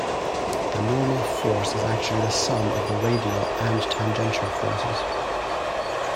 The normal force is actually the sum of the radial and tangential forces.